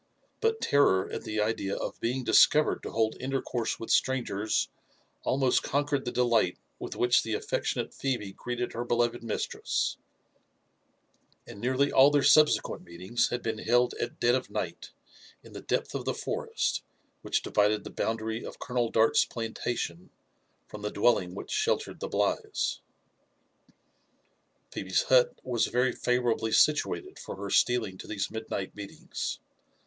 But terror at the idea of being discovered to hold intercourse with strangers almost con quered the delight with which the affectionate Phebe greeted her be loved mistress, and nearly all their subsequent meetings had been held at dead of night in the depth of the forest which divided the boundary of Colonel Dart's plantation from the dwelling which sheltered the Blighs. Phebe's hut was very favourably situated for her stealing to these midnight meetings.